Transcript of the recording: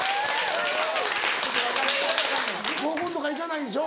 合コンとか行かないんでしょ？